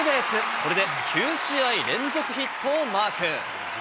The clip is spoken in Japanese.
これで９試合連続ヒットをマーク。